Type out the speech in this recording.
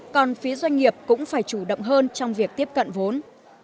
còn phía doanh nghiệp cũng phải chủ động hơn trong việc tiếp cận vốn